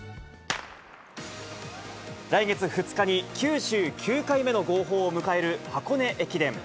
来月２日に、９９回目の号砲を迎える箱根駅伝。